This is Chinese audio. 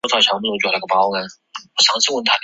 始创的处方并没有明确指明使用起泡的忌廉。